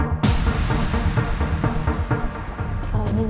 kalau ini dikasih juga di bingung